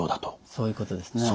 そういうことですね。